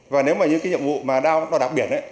và nếu mà những cái nhiệm vụ mà đo đạc biển